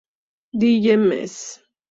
دیگ مس